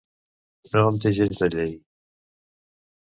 No em té gens de llei.